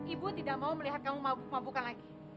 ibu tidak mau melihat kamu mabuk mabukan lagi